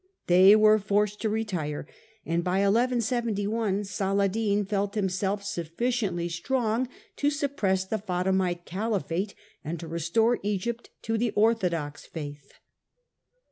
They were forced to retire, and by 1171 Saladin felt himself sufficiently strong to suppress the Fatimite Caliphate and to restore Egypt to the orthodox faith.